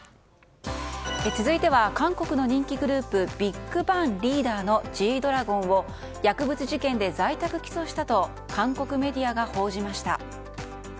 続いては韓国の人気グループＢＩＧＢＡＮＧのリーダーのＧ‐ＤＲＡＧＯＮを薬物事件で在宅起訴したと韓国メディアが報じました。